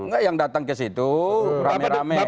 enggak yang datang ke situ rame rame